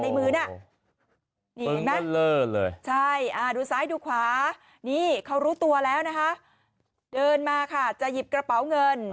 เห็นไหมใช่ดูซ้ายดูขวานี่เขารู้ตัวแล้วนะคะเดินมาค่ะจะหยิบกระเป๋าเงิน